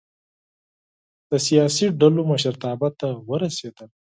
د سیاسي ډلو مشرتابه ته ورسېدل.